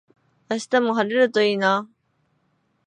明日も晴れるといいな